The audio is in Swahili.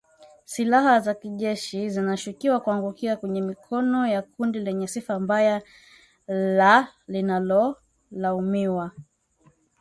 Silaha za jeshi zinashukiwa kuangukia kwenye mikono ya kundi lenye sifa mbaya la linalolaumiwa